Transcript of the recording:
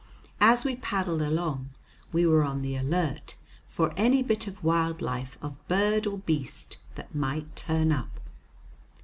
As we paddled along, we were on the alert for any bit of wild life of bird or beast that might turn up.